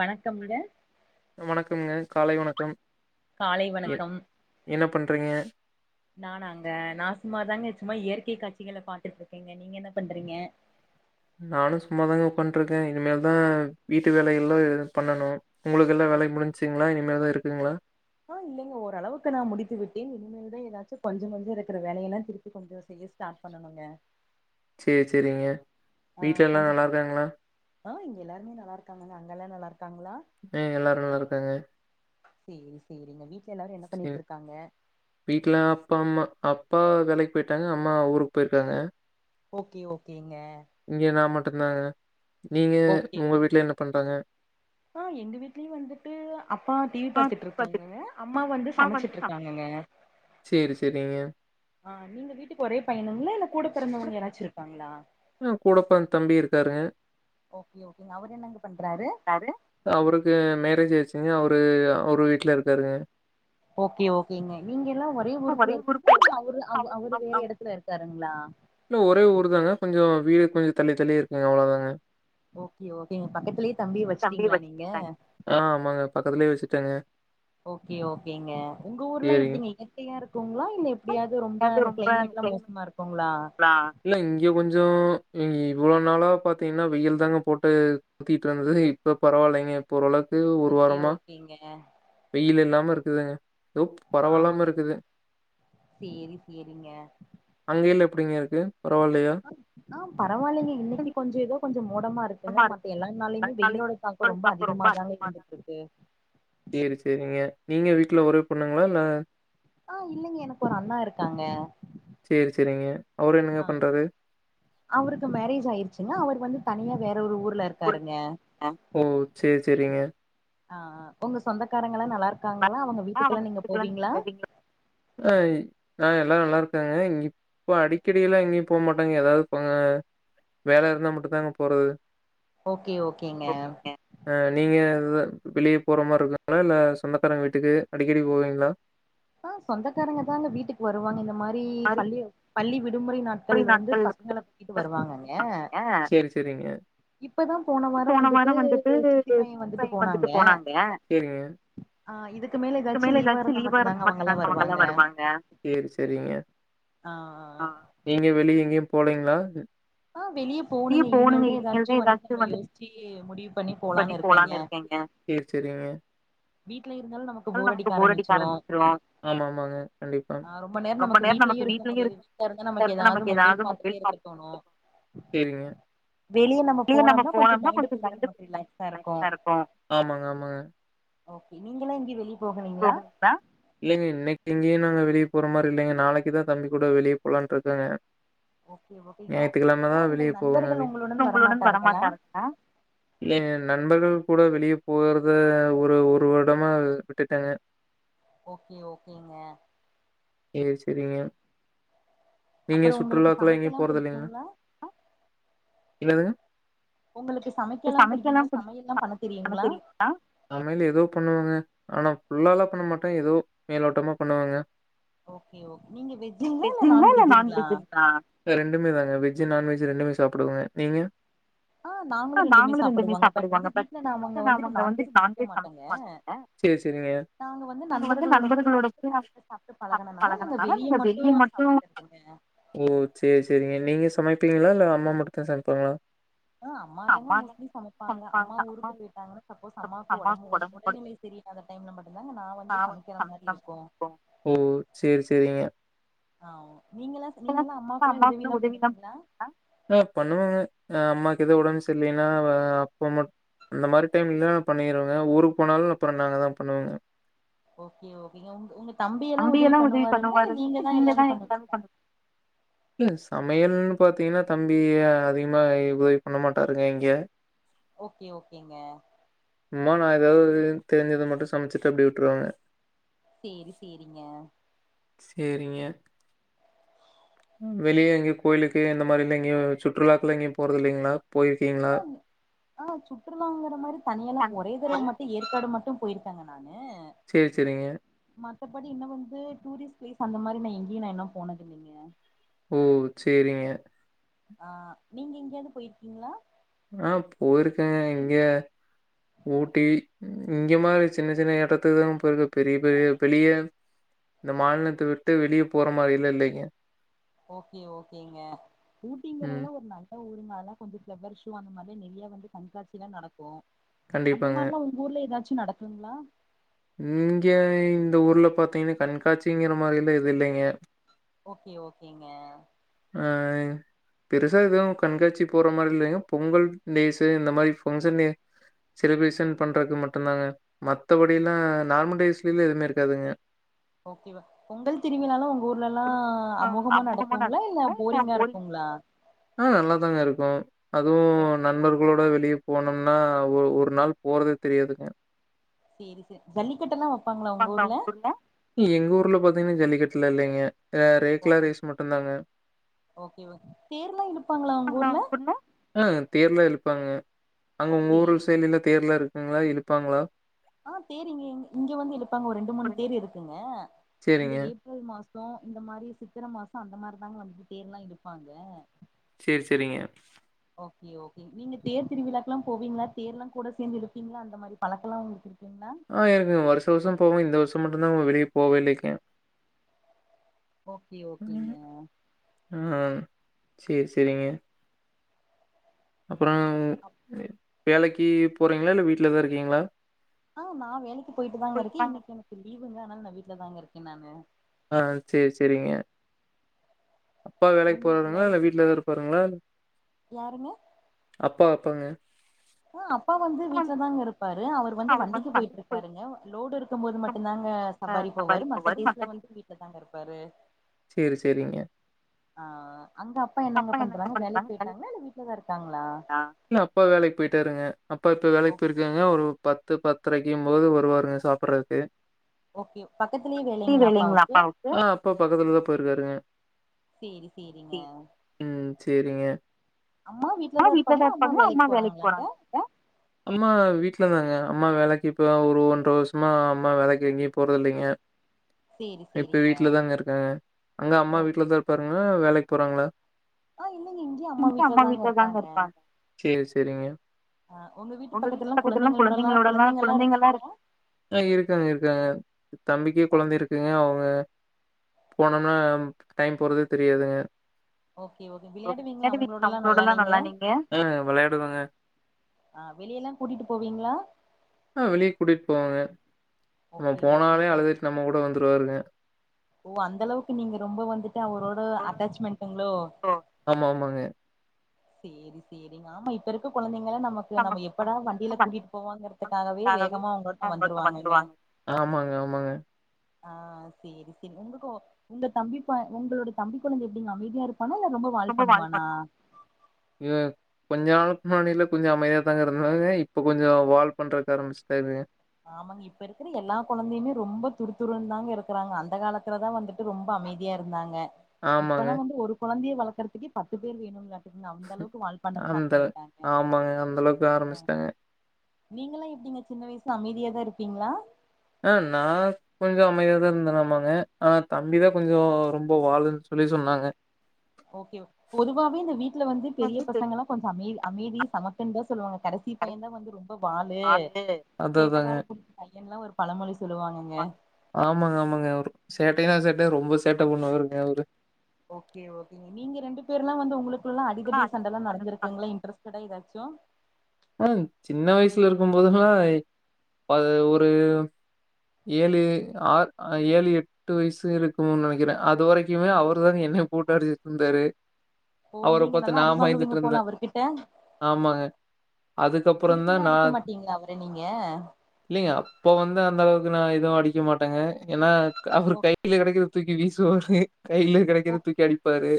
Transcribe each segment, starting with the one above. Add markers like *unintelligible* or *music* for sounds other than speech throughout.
வணக்கம்ங்க வணக்கம்ங்க காலை வணக்கம் காலை வணக்கம் என்ன பண்றீங்க நானாங்க நா சும்மாதாங்க சும்மா இயற்கை காட்சிகள பாத்துட்ருக்கேங்க நீங்க என்னப் பண்றீங்க நானும் சும்மாதாங்க உக்கான்று இருக்கேன் இனிமேல் தா வீட்டு வேலயெல்லாம் பண்ணணு உங்களுக்கு எல்லா வேலயு முடிஞ்சிங்ளா இனிமேல் தா இருக்குங்ளா ஆ இல்லைங்கோ ஓரளவுக்கு நா முடித்து விட்டேன் இனிமே எதாச்சும் கொஞ்ச கொஞ்ச இருக்கிற வேலையெல்லாம் திருப்பி கொஞ்சம் செய்ய ஸ்டார்ட் பண்ணணுங்க சேரி செரிங்க ஆ கொஞ்ச ஆ இங்க எல்லாருமே நல்லா இருக்காங்கங்க அங்கெல்லா நல்லா இருக்காங்ளா ம் எல்லாரு நல்லா இருக்காங்க செரிங் செரிங்க வீட்ல எல்லாரு என்ன பண்ணிட்டு இருக்காங்க வீட்ல அப்பா அம்மா அப்பா வேலைக்கு போய்ட்டாங்க அம்மா ஊருக்கு போயிருக்காங்க ஓகே ஓகேங்க இங்க நா மட்டும்தாங்க நீங்க உங்க வீட்ல என்ன பண்றாங்க ஆ எங்க வீட்லயும் வந்துட்டு அப்பா டிவி பாத்துட்டு இருக்காங்க அம்மா வந்து சமச்சிட்டு இருக்காங்கங்க சேரி செரிங்க ஆ நீங்க வீட்டுக்கு ஒரே பையணுங்களா இல்ல கூட பிறந்தவங்க யாராச்சு இருக்காங்ளா அ கூடப்பிறந்த தம்பி இருக்காருங்க ஓகே ஓகேங்க அவரு என்னங்க பண்றாரு அவுருக்கு மேரேஜ் ஆயிடுச்சிங்க அவுரு அவுரு வீட்ல இருக்காருங்க ஓகே ஓகேங்க நீங்க எல்லா ஒரே ஊருக்குள்ள இருக்கீங்ளா இல்ல அவரு அவரு வேற எடத்துல இருக்காருங்ளா இல்ல ஒரே ஊரு தாங்க கொஞ்ச வீடு கொஞ்ச தள்ளி தள்ளி இருக்குங்க அவ்ளோதாங்க ஓகே ஓகேங்க பக்கத்துலே தம்பி வெச்சுட்டீங்ளா நீங்க ஆ ஆமாங்க பக்கத்துலே வெச்சுட்டங்க ஓகே ஓகேங்க உங்க ஊர்ல்லா எப்டிங்க இயற்கையா இருக்குங்ளா இல்ல எப்டியாவது ரொம்ப அந்த கிளைமேட்லா மோசமா இ ருக்குங்களா இல்லங்க இங்கயும் கொஞ்ச இ இவ்ளோ நாளா பாத்தீங்கன்னா வெயில் தாங்க போட்டு சுத்திடு இருந்தது இப்ப பரவாயில்லைங்க இப்ப ஓரளவுக்கு ஒரு வாரமா வெயிலு இல்லாம இருக்குதுங்க எதோ பரவால்லாம இருக்குது அங்கெல்ல எப்டிங்க இருக்கு பரவால்லையா ஆ பரவாயில்லைங்க இன்னைக்கு கொஞ்ச எதோ கொஞ்ச மூடமா இருக்கு ங்க மத்த எல்லா நாள்லயுமே வெயிலோட தாக்கம் ரொம்ப அதிகமா தாங்க இருந்துட்டு இருக்கு சேரி சேரிங்க நீங்க வீட்ல ஒரே பொண்ணுங்ளா இல்ல ஆ இல்லைங்க எனக்கு ஒரு அண்ணா இருக்காங்க சேரி செரிங்க அவரு என்னங்க பண்றாரு அவுருக்கு மேரேஜ் ஆய்டுச்சுங்க அவர் வந்து தனியா வேற ஒரு ஊர்ல இருக்காருங்க செரி செரிங்க ஆ உங்க சொந்தக்காரங்கள்லா நல்லா இருக்காங்ளா அவங்க வீட்டுக்கெல்லா நீங்க போவீங்ளா ஆ ஆ எல்லாம் நல்லா இருக்காங்க இங்க இப்ப அடிக்கடி எல்லா எங்கயு போ மாட்டாங்க எதாவது ‌ப வேல இருந்தா மட்டும் தாங்க போறது ஓகே ஓகேங்க அ நீங்க வெளிய போற மாரி இருக்குங்களா இல்ல சொந்தக்காரங்க வீட்டுக்கு அடிக்கடி போவீங்ளா ஆ சொந்தக்காரங்க தாங்க வீட்டுக்கு வருவாங்க இந்த மாரி பள்ளி பள்ளி விடுமுறை நாட் கள்ல வந்து பசங்கள கூட்டிட்டு வருவாங்கங்க சேரி செரிங்க இப்பதான் போன வாரம் வந்துட்டு சித்தி பையன் வந்துட்டு போனாங்க ஆ இதுக்கு மேல ஏதாச்சு லீவா இருந்தா மட்டுந்தாங்க அவங்கல்லா வருவாங்க ஆஆ நீங்க வெளிய எங்கயு போலேங்க்ளா தி போனுங்க இனிமேல் தா எதாச்சு *inaudible* பண்ணி போலான் இருக்கேங்க சேர் சேரிங்க கள் நமக்கு போரடிக்க ஆரமிச்சுரு ரொம்ப நேரோ நமக் வீட்லயு இருக் தருண நமக்கு ஏதாவது மொபைல் பாத்துட்டே இருக்க தோணு சேரிங்க *unintelligible* நம்ம போனம்னா கொஞ்சோ *inaudible* இருக்கு ஓகே நீங்களா எங்கே வெளி *unintelligible* இல்லேங்க இன்னைக் எங்கேயு நாங்க வெளியே போற மாரி இல்லேங்க நாளைக்குதா தம்பி கூட வெளியே போலான்ட்ருக்கங்க ஞாயித்துக்கிழமதா வெளியே *unintelligible* ஏங்க நண்பர்கள் கூட வெளியே போகறத ஒரு ஒரு வருடமா விட்டுடங்க ஓகே ஓகேங்க சேரி சேரிங்க நீங்க சுற்றுலாக்கலா எங்கயு போறத இல்லேங்க என்னாதுங்க உங்களுக்கு சமைக்கெல்லா புடிக்குங்களா சமையல்லா பண்ண தெரியுங்களா சமையல் ஏதோ பண்ணுவங்க ஆனா ஃபுல்லா பண்ண மாட்டே ஏதோ மேலோட்டமா பண்ணுவேங்க ஓகே ஓகே நீங்க வெ நீங்க வெஜ்ஜிங்களா இல்ல நான்வெஜ்ஜிங்ளா ஆ நாங்களு ரெண்டுமே சாப்பிடுவாங்க *inaudible* அங்க வந்துட்டு நான்வெஜ் சமைக்க மாட்டாங்க அங்க வந்து நண்பர்களோட *inaudible* பாத் பழகணுனால நம்ம வெளிய மட்டு ஓ சேர் சேரிங்க நீங்க சமைப்பீங்களா இல்ல அம்மா மட்டு தா சமைப்பாங்களா ஆ அம்மாதாங்க மோஸ்லி சமைப்பாங்க அம்மா ஊருக்கு போயிட்டாங்னா சப்போஸ் அம்மாக்கு ஒடம்பு ஒட ஒடல்நிலை செரியில் அந்த டைம்ல மட்டுந்தாங்க நா வந்து சமைக்கற மாரி இருக்கு ஓ சேர் சேரிங்க ஆவ் நீங்கள்ளா செ நீங்கள்ளா அம்மாக்கெல்லா உதவில்லா பண்ணுவீங்க்ளா ஆ பண்ணுவங்க ஆ அம்மாக்கு எது உடம்ப் செரிலேன்னா ஆ அப்ப மட் அந்த மாரி டைம்லலா பண்ணிருவ ஊருக் போனாலு அப்பறோ நாங்கதா பண்ணுவங்க ஓகே ஓகேங்க உங் உங்க தம்பியெல்லா உதவி பண்ணுவாருங்க்ளா இல்ல நீங்க தா எல்லாமே பண்ணு இல்ல சமையல்ன் பாத்தீங்கனா தம்பியே அதிகமா இ உதவி பண்ண மாட்டாருங்க இங்க ஓகே ஓகேங்க சும்மா நா ஏதாவ்து தெரிஞ்சது மட்டு சமைச்சுட்டு அப்டியே வுட்டுருவங்க சேரி சேரிங்க சேரிங்க வெளிய எங்யு கோயிலுக்கு எந்த மாரில்லா எங்யூ சுற்றுலாக்கலா எங்கயு போறது இல்லேங்க்ளா போயிருக்கீங்இகளா ஆ சுற்றுலாங்கற மாரி தனியாலா ஒரே தடவ மட்டு ஏற்காடு மட்டு போயிருக்கங்க நான் ஆமா சேரி சேரிங்க மத்த படி இன்னு வந்து டூரிஸ்ட் ப்ளேஸ் அந்த மாரி நா எங்யூ நா இன்னு போனதில்லேங்க ஓ சேரிங்க ஆ நீங்க எங்யாது போய்ருக்கீங்ளா ஆ போய்ருக்கன் இங்க ஊட்டி இங்க மாரி சின்ன சின்ன எடத்துக்குதா போய்ரு பெரிய பெரிய பெளிய இந்த மாநிலத்த விட்டு வெளிய போற மாரில்லா இல்லங்க ஓகே ஓகேங்க ஊட்டிங்கறதல்லா ஒரு நாள் ஊருன்னால கொஞ்சொ ஃபளவர் ஷோ அந்த மாரி நெறயா வந்து கண்காட்சில்லா நடக்கும் அந்த மாரிலா ஒங் ஊர்ல எதாச்சு நடக்குங்ளா இங்க இந்த ஊர்ல பாத்தீங்னா கண்காட்சிங்ற மாரில்லா எது இல்லங்க ஓகே ஓகேங்க ஆ பெருசா எதுவும் கண்காட்சி போற மாரி இல்லங்க பொங்கல் டேஸூ இந்த மாரி ஃபங்ஷன்னே செலிப்ரேஷன் பண்றது மட்டுதாங்க மத்தபடிலா நார்மல் டேஸ்ல்லே எதுமே இருக்காதுங்க ஓகேவ பொங்கல் திருவிழாலா உங்க ஊர்லலா அமோகமா நடக்குங்ளா இல்ல போரிங்கா இருக்குங்ளா ஆ நல்லாதாங்க இருக்கும் அதுவு நண்பர்களோட வெளிய போனோம்னா ஒரு ஒரு நாள் போறதே தெரியாதுங்க சேரி ச ஜல்லிகட்டல்லா பாக்கலாமா ஒங்கூர்ல எங்க ஊர்ல பாத்தீங்னா ஜல்லிக்கட்டுலா இல்லங்க ஆ ரேக்ளா ரேஸ் மட்டு தாங்க ஓகே வ தேர்லா இழுப்பாங்களா ஒங்கூர்ல ஆ தேர்லா இழுப்பாங்க அங்க உங்க ஊர்ல் சைலல்லா தேர்லா இருக்குங்ளா இழுப்பாங்களா ஆ தேர் இங்க ங் இங்க வந்து இழுப்பாங்க ஒரு ரெண்டு மூணு தேர் இருக்குங்க இந்த ஏ ஏப்ரல் மாசோ இந்த மாரி சித்தர மாசோ அந்த மாரிதாங்க வந்து தேர்ல்லா இழுப்பாங்க சேரி சேரிங்க ஓகே ஓகே நீங்க தேர் திருவிழாக்லா போவீங்ளா தேர்ல்லா கூட சேந்து இழுப்பீங்ளா அந்த மாரி பழக்கல்லா ஒங்ளுக்கு இருக்குங்ளா ஆ இருக்குங் வருஷா வருஷொ போவோ இந்த வருஷம் மட்டு தாங்க வெளிய போவேல்லீங்க ஓகே ஓகேங்க ம் சேரி சேரிங்க அப்றோங் வேலக்கி போறீங்களா இல்ல வீட்ல தா இருக்கீங்களா ஆ நா வேலக்கி போயிட்டுதா இருக்க இன்னைக்கி எனக்கு லீவுங்க அனால நா வீட்லதாங்க இருக்க நானு ஆ சேரி சரிங்க அப்பா வேலக்கு போறாருங்களா இல்ல வீட்லதா இருப்பாருங்களா யாருங்க அப்பா அப்பாங்க அ அப்பா வந்து வீட்லதாங்க இருப்பாரு அவரு வந்து வண்டிக்கு போயிட்டு இருக்காருங்க லோடு இருக்கும்போது மட்டும் தாங்க சவாரி போவாரு மத்த டேஸ்ல வந்து வீட்டு இங்கதாங்க இருப்பாரு சேரி சேரிங்க ஆ அங்க அப்பா என்னங்க பண்றாங்க வேலக்கு போயிர்க்காங்களா இல்ல வீட்லதா இருக்காங்களா இல்ல அப்பா வேலக்கு பேயிட்டாருங்க அப்பா இப்ப வேலக்கு பேயிருக்காங்க அவுரு பத்து பத்தரைக்கும் போது வருவாருங்க சாப்றதுக்கு ஓகேங்க பக்கத்திலயே வேலங்களா அப்பாவுக்கு ஆ அப்பா பக்கத்துலதா போயிருக்காரு சேரி சேரிங்க ம் சேரிங்க அம்மா வீட்லதா இருப்பாங்ளா அம்மா வேலைக்கு போறாங்கங்களாங்க அம்மா வீட்லதாங்க அம்மா வேலைக்கி இப்பதா ஒரு ஒன்ற வருஷமா அம்மா வேலைக்கி எங்கயும் போறதில்லைங்க இப்ப வீட்லதாங்க இருக்காங்க அங்க அம்மா வீட்லதா இருப்பாருங்களா வேலைக்கி போறாங்ளா ஆ இல்லைங்க இங்கையு அம்மா வீட்லதாங்க இருப்பாங்க சேரி சேரிங்க உங்க வீட்டு பக்கத்துல்லா குழந்தைங்களோடல்லா குழந்தைங்கல்லா இரு ஆ இருக்காங்க இருக்காங்க தம்பிக்கே கொழந்த இருக்குங்க அவுங்க போனம்னா டைம் போறதே தெரியாதுங்க ஓகே ஓகே விளையாடுவீங்ளா அவங்களோடல்லா நல்லா நீங்க ஆ வெளியெல்லா கூட்டிட்டு போவீங்களா ஆ வெளிய கூட்டிட்டு போவங்க நம்ம போனாவே அழுதுட்டு நம்ம கூட வந்துருவாருங்க ஓ அந்த அளவுக்கு நீங்க ரொம்ப வந்துட்டு அவரோட அட்டாச்மெண்டுங்ளோ ஓ ஆமா ஆமாங்க சேரி சேரிங்க ஆமா இப்ப இருக்க கொழந்தைங்கல்லா நம இவ நம்ம எப்படா வண்டில கூட்டிட்டு போவாங்கறதுக்காகவே வேகமா உங்கள்ட்ட வந்துருவாங்கங்க ஆமாங்க ஆமாங்க ஆ சேரி சேரி உங்குக்கோ உங்க தம்பி ப உங்களோட தம்பி கொழந்த எப்டிங்க அமைதியா இருப்பானா இல்ல ரொம்ப ரொம்ப கால் பண் இவன் கொஞ்ச நாளுக்கு முன்னாடியல்லா கொஞ்சோ அமைதியாகத்தாங்க இருந்தாரு இப்ப கொஞ்சோ வால் பண்ணறக்கு ஆரம்பிச்சிட்டாருங்க ஆமாங்க இ இப்ப இருக்கற எல்லா கொழந்தையுமே ரொம்ப துருதுருன்தாங்க இருக்கறாங்க அந்த காலத்தலதா வந்துட்டு ரொம்ப அமைதியா இருந்தாங்க இப்பல்லா வந்து ஒரு கொழந்தைய வளக்கறதுக்கே பத்து பேர் வேணுங்றாங்க இவுங்க அந்த அளவுக்கு வாழ்பண்ண ஸ்டார்ட் பண்ணிட்டாங்க ஆ நீங்கெல்லா எப்டிங்க சின்ன வயசுல அமைதியாதா இருப்பீங்ளா அ நான் கொஞ்ச அமைதியாதான் இருந்தனாமாங்க ஆனா தம்பிதா கொஞ்சோ ரொம்ப வாழுன்னு சொல்லி சொன்னாங்க ஓகே ஓகே பொதுவாவே இந்த வீட்ல வந்து பெரிய பசங்க எல்லா கொஞ்சோ அ அமைதி சமத்துன்தா சொல்லுவாங்க கடைசி உன் பையன்தா வந்து ரொம்ப வாலு சேட்டக்கார *unintelligible* பையன்லா ஒரு பழமொழி சொல்லுவாங்க ஆமாங்க ஆமாங்க அவரு சேட்டைனா சேட்டை ரொம்ப சேட்ட பண்ணுவாருங்க அவரு ஓகே ஓகேங்க நீங்க ரெண்டு பேரெல்லா வந்து உங்களுக்குல்லா அடிதடி சண்டல்லா நடந்துருக்குங்ளா இன்டரெஸ் ட்டா எதாச்சு ம் சின்ன வயசுல இருக்கும்போதல்லா அது ஒரு ஏழு ஆர் ஆ ஏழு எ எட்டு வயசு இருக்கும்னு நெனைக்கிற அது வரைக்குமே அவர்தா என்னய போட்டு அடிச்சிட்ருந்தாரு அவர பாத்து நா பயந்துட்டு இருந்த ஆமாங்க அதுக்கப்பறந்தா நா இல்லைங்க அப்ப வந்து அந்த அளவுக்கு நா எதுவு அடிக்க மாட்டங்க ஏனா க அவரு கைல கெடைக்கறது தூக்கி வீசுவாரு கைல கெடைக்கிறத தூக்கி அடிப்பாரு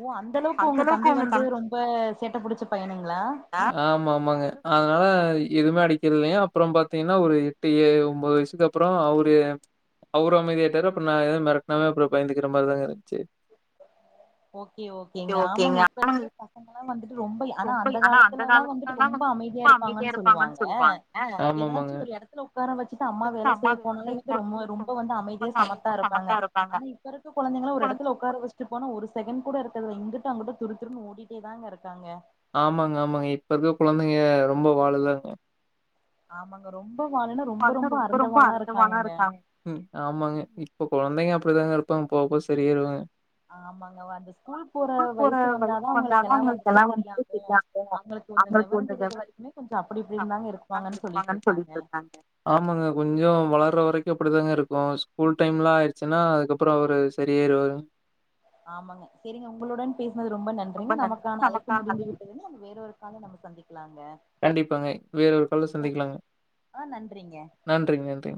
ஓ அந்த அளவுக்கு உங்க தம்பி வந்து ரொம்ப சேட்ட புடிச்ச பையனுங்ளா ஆமாமாங்க அதனால எதுமே அடிக்கறதில்லைங்க அப்றோ பாத்தீங்கன்னா ஒரு எட்டு ஏ ஒம்பது வயசு க்கு அப்றோ அவரு அவரு அமைதியா ஆயிட்டாரு அப்றோ நா எது மெறட்டனாலு அப்றோ பயந்துக்கிற மாரிதாங்க இருந்ச்சு ஓகே ஓகேங்க ஆமாங்க இப்ப இருக்கிற பசங்கல்லா வந்துட்டு ரொம்ப ஆனா அந்த காலத்துலல்லா வந்துட்டு ரொம்ப அமைதியா இரு பாங்கன்னு சொல்லுவாங்க எதாச்சு ஒரு எட த்துல ஒக்கார வெச்சுட்டு அம்மா வேல செய்ய போனாலே வந்து ரொம்ப ரொம்ப வந்து அமைதியா சமத்தா இருப்பாங்க ஆனா இ இப்ப இருக்க கொழந்தைங்களா ஒரு எடத்துல ஒக்கார வச்சிட்டு போனா ஒரு செகண்ட் கூட இருக்கறதுல்ல இங்குட்டு அங்கிட்டு துருதுருனு ஓடிட்டே தாங்க இருக்காங்க ஆமாங்க ஆமாங்க இப்ப இருக்குற கொழந்தைங்க ரொம்ப வாலுதாங்க ஆமாங்க ரொம்ப வாலுன்னா ரொம்ப ரொம்ப அருந்த வாலா இருக்காங்கங்க ம் ஆமாங்க இப்ப கொழந்தைங்க அப்டிதாங்க இருப்பாங்க போப்போவ சரியாயிருவாங்க அம்மா போற வயசு வந்தாதா அவங்க எதாவது ஒன்னு *unintelligible* *inaudible* அவங்களுக்கு *inaudible* சொல்ட்டு இருக்காங்க ஆமாங்க கொஞ்சோ வளர்ற வரைக்கு அப்டித்தாங்க இருக்கு ஸ்கூல் டைம்லா ஆயிடுச்சின்னா அதுக்கப்றோ அவரு சரியாயிருவாரு ஆமாங்க செரிங்க உங்களுடன் பேசுனது ரொம்ப நன்றிங்க நமக்கான அழைப்பு முடிந்தது வேணுனா நம்ம வேற ஒரு காலுல நம்ம சந்திக்லாங்க கண்டிப்பாங்க வேற ஒரு காலுல சந்திக்லாங்க நன்றிங்க நன்றி